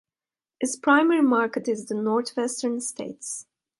Its primary market is the Northwestern states.